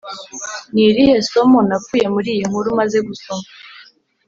Ni irihe somo nakuye muri iyi nkuru maze gusoma